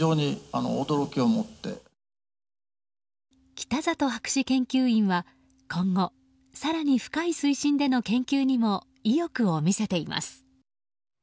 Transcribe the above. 北里博士研究員は今後更に深い水深での研究にも意欲を見せています。